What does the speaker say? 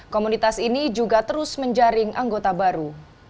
komunitas ini juga terus menjaring anggota baru